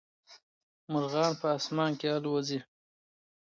مرغان په اسمان کي البوځي.